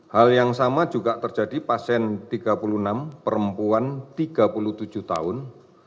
hal yang sama juga terjadi pasien tiga puluh enam perempuan tiga puluh tujuh tahun